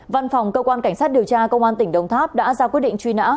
văn phòng cơ quan cảnh sát điều tra công an tỉnh đồng tháp đã ra quyết định truy nã